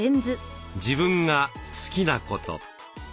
自分が「好きなこと」。